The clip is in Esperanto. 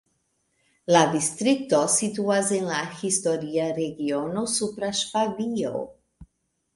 La distrikto situas en la historia regiono Supra Ŝvabio.